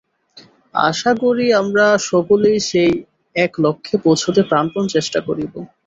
আশা করি, আমরা সকলেই সেই এক লক্ষ্যে পৌঁছিতে প্রাণপণ চেষ্টা করিব।